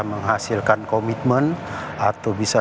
menghasilkan komitmen atau bisa